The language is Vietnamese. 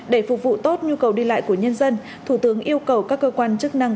để phục vụ tốt nhu cầu đi lại của nhân dân thủ tướng yêu cầu các cơ quan chức năng